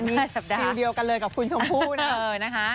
อันนี้ทีเดียวกันเลยกับคุณชมพู่น่ะ